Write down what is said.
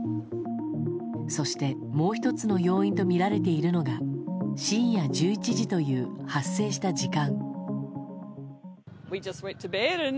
そして、もう１つの要因とみられているのが深夜１１時という発生した時間。